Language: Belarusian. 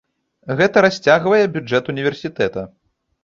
Гэта расцягвае бюджэт універсітэта.